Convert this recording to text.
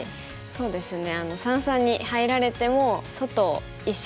そうですね。